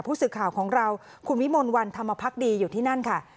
ผู้สื่อข่าวของเราคุณวิมลวันธรรมพักดีอยู่ที่นั่นค่ะ